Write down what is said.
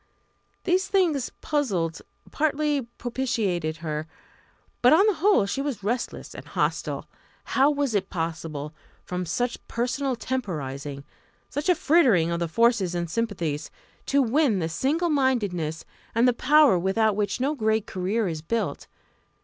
These things puzzled, partly propitiated her. But on the whole she was restless and hostile. How was it possible from such personal temporising such a frittering of the forces and sympathies to win the single mindedness and the power without which no great career is built?